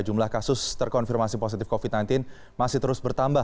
jumlah kasus terkonfirmasi positif covid sembilan belas masih terus bertambah